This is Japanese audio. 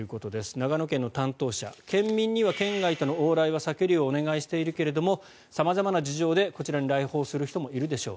長野県の担当者県民には県外との往来は避けるようお願いしているけれども様々な事情でこちらに来訪する人もいるでしょう